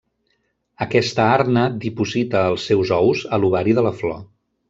Aquesta arna diposita els seus ous a l'ovari de la flor.